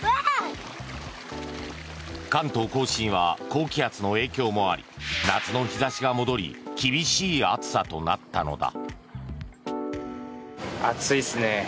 関東・甲信は高気圧の影響もあり夏の日差しが戻り厳しい暑さとなったのだ。